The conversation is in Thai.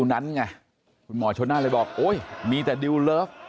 ผ่อนฉวนน่าเลยบอกโอ้ยมีแต่ดีลเติ้ล